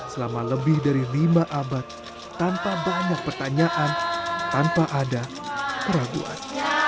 selama lebih dari lima abad tanpa banyak pertanyaan tanpa ada keraguan